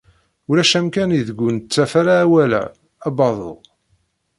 Ulac amkan ideg ur nettaf ara awal-a: abadu